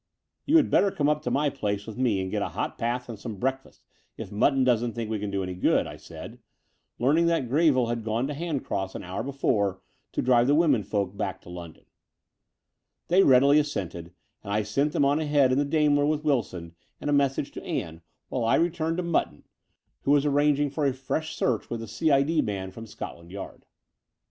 "You had better come up to my place with me and get a hot bath and some breakfast, if Mutton doesn't think we can do any good," I said, learning that Greville had gone to Handcross an hour before to drive the women folk back to London. They readily assented, and I sent them on ahead in the Daimler with Wilson and a message to Ann, while I rettuned to Mutton, who was arranging 52 The Door of the Unreal for a fresh search with the C.I.D. man from Scot land Yard.